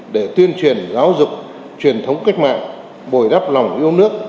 để tuyên truyền giáo dục truyền thống cách mạng bồi đắp lòng yêu nước